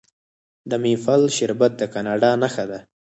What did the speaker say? د میپل شربت د کاناډا نښه ده.